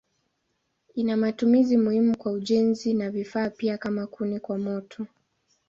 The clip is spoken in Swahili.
Ina matumizi muhimu kwa ujenzi na vifaa pia kama kuni kwa moto.